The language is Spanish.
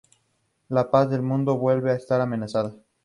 La paz del mundo vuelve a estar amenazada.